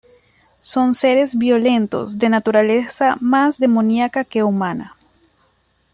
Son seres violentos, de naturaleza más demoníaca que humana.